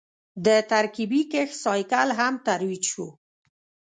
د ترکیبي کښت سایکل هم ترویج شو.